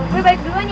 gue balik duluan ya